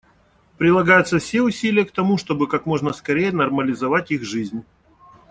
Прилагаются все усилия к тому, чтобы как можно скорее нормализовать их жизнь.